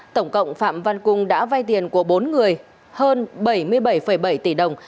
tổng cộng phạm văn cung đã vay tiền của bốn người hơn bảy mươi bảy bảy tỷ đồng